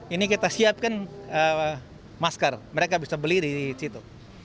ini kita siapkan masker mereka bisa beli di situ